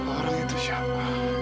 orang itu siapa